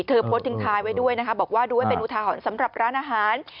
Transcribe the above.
โพสต์ทิ้งท้ายไว้ด้วยนะคะบอกว่าดูไว้เป็นอุทาหรณ์สำหรับร้านอาหาร